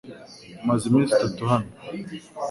Maze iminsi itatu hano .